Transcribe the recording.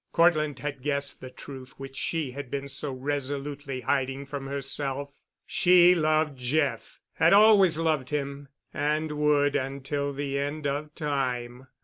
Cortland had guessed the truth which she had been so resolutely hiding from herself. She loved Jeff—had always loved him—and would until the end of time.